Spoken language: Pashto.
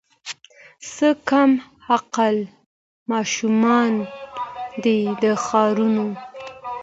څه کم عقل ماشومان دي د ښارونو